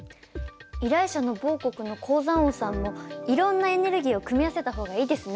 依頼者の某国の鉱山王さんもいろんなエネルギーを組み合わせたほうがいいですね。